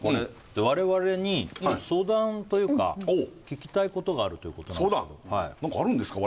我々に相談というか聞きたいことがあるということなんですけど何かあるんですか